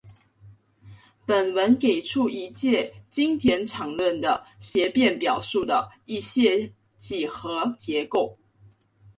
本文给出一阶经典场论的协变表述的一些几何结构。